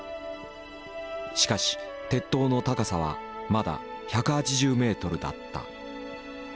しかし鉄塔の高さはまだ１８０ｍだった。